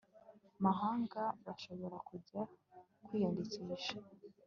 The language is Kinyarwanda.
mahanga bashobora kujya kwiyandikisha